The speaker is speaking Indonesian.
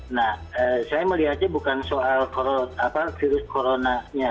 nah saya melihatnya bukan soal virus coronanya